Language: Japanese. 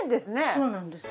そうなんです。